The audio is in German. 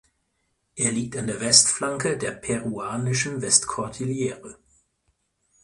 Er liegt an der Westflanke der peruanischen Westkordillere.